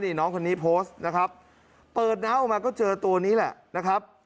นี่น้องคนนี้โพสต์นะครับเปิดน้ำออกมาก็เจอตัวนี้แหละนะครับ